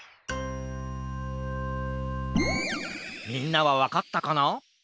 みんなはわかったかな？